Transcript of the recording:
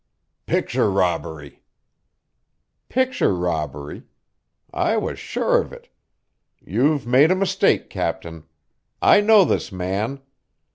"Picture robbery." "Picture robbery! I was sure of it! You've made a mistake, Captain. I know this man!"